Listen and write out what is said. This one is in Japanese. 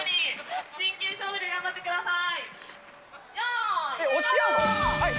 真剣勝負で頑張ってください。